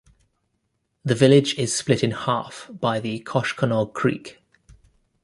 The village is split in half by the Koshkonong Creek.